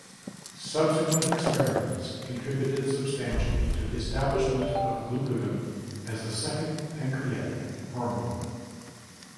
Subsequent experiments contributed substantially to the establishment of glucagon as a second pancreatic hormone.